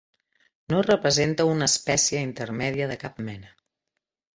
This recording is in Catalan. No representa una espècie intermèdia de cap mena.